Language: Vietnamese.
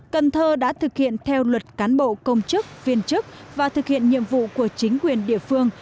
cần thơ đã thực hiện theo luật cán bộ công chức viên chức và thực hiện nhiệm vụ của chính quyền địa phương